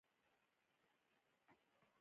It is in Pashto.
• د ورځې کار د سبا لپاره برکت لري.